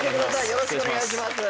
よろしくお願いします